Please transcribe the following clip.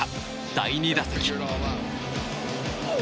第２打席。